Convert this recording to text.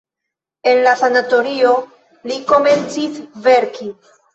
En la sanatorio li komencis verki.